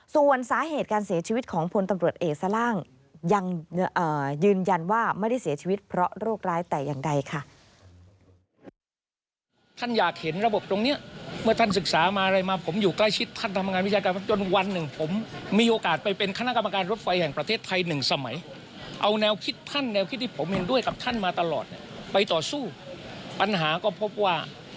ส่วนสาเหตุการเสียชีวิตของพลตำรวจเอกสล่างยังยืนยันว่าไม่ได้เสียชีวิตเพราะโรคร้ายแต่อย่างใดค่ะ